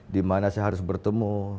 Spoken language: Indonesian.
di mana saya harus bertemu